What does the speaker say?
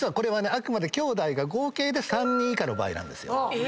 あくまできょうだいが合計で３人以下の場合なんです。